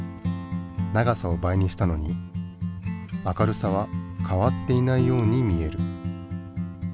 長さを倍にしたのに明るさは変わっていないように見える。